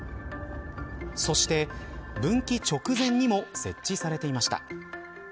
そして、分岐直前にも設置されていました。